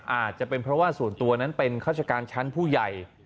อาจจะเป็นเพราะว่าส่วนตัวนั้นเป็นข้าราชการชั้นผู้ใหญ่